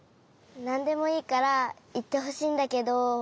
なんでもいいからいってほしいんだけど。